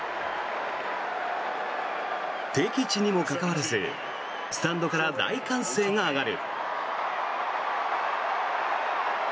敵地にもかかわらずスタンドから大歓声が上がる。